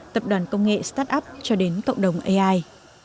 tập đoàn công nghệ start up cho đến cộng đồng ai